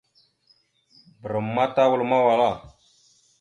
Bəram ma tawal mawala.